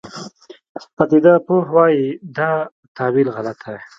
پدیده پوه وایي دا تاویل غلط دی.